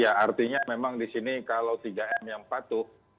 ya artinya memang di sini kalau tiga m yang patuh